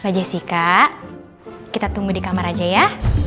pak jessica kita tunggu di kamar aja ya